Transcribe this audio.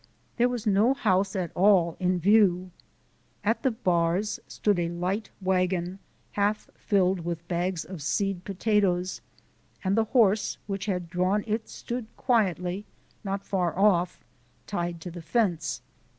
There was no house at all in view. At the bars stood a light wagon half filled with bags of seed potatoes, and the horse which had drawn it stood quietly, not far off, tied to the fence.